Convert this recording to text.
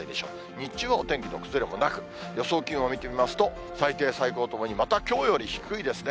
日中はお天気の崩れもなく、予想気温を見てみますと、最低、最高ともにまたきょうより低いですね。